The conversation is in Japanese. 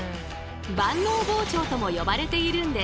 万能包丁とも呼ばれているんです。